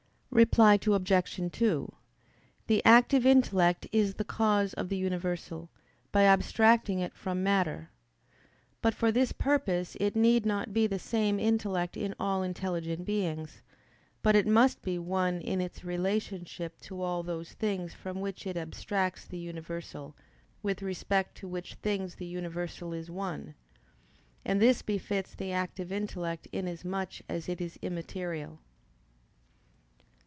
Reply Obj. 2: The active intellect is the cause of the universal, by abstracting it from matter. But for this purpose it need not be the same intellect in all intelligent beings; but it must be one in its relationship to all those things from which it abstracts the universal, with respect to which things the universal is one. And this befits the active intellect inasmuch as it is immaterial.